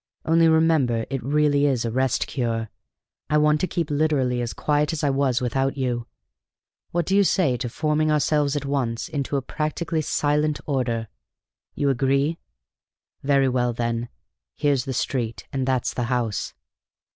Only remember it really is a Rest Cure. I want to keep literally as quiet as I was without you. What do you say to forming ourselves at once into a practically Silent Order? You agree? Very well, then, here's the street and that's the house."